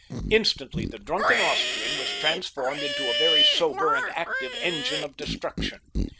Instantly the drunken Austrian was transformed into a very sober and active engine of destruction.